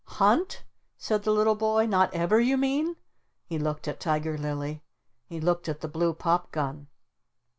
"Hunt?" said the little boy. "Not ever you mean?" He looked at Tiger Lily. He looked at the blue pop gun.